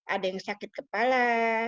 ada yang sakit kepala